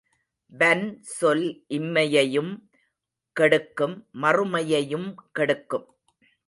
வன்சொல் இம்மையையும் கெடுக்கும் மறுமையையும் கெடுக்கும்.